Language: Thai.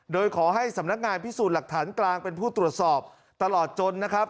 โดยขอให้สำนักงานพิสูจน์หลักฐานกลางเป็นผู้ตรวจสอบตลอดจนนะครับ